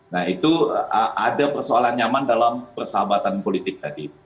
nah itu ada persoalan nyaman dalam persahabatan politik tadi